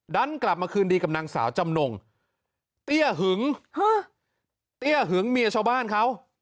กลับมาคืนดีกับนางสาวจำนงเตี้ยหึงเตี้ยหึงเมียชาวบ้านเขา